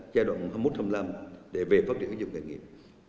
giai đoạn hai mươi một hai mươi năm để về phát triển doanh nghiệp